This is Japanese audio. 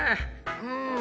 うん。